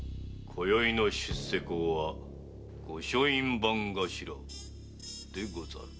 今宵の出世講は御書院番頭でござる。